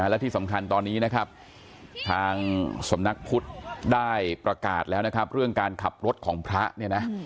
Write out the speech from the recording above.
และที่สำคัญตอนนี้นะครับทางสำนักพุทธได้ประกาศแล้วนะครับเรื่องการขับรถของพระเนี่ยนะ